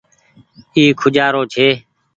اي کوجآرو ڇي۔